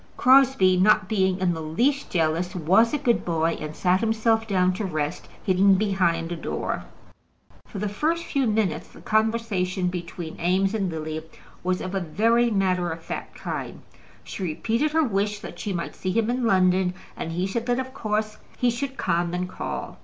Crosbie, not being in the least jealous, was a good boy, and sat himself down to rest, hidden behind a door. For the first few minutes the conversation between Eames and Lily was of a very matter of fact kind. She repeated her wish that she might see him in London, and he said that of course he should come and call.